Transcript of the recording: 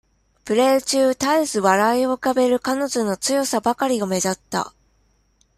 プレー中絶えず笑いを浮かべる彼女の強さばかりが目立った。